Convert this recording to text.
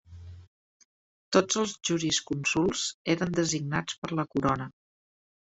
Tots els jurisconsults eren designats per la corona.